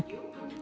học bổng asean